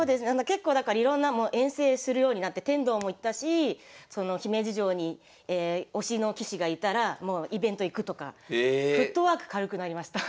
結構だからいろんなもう遠征するようになって天童も行ったし姫路城に推しの棋士が居たらイベント行くとかフットワーク軽くなりました。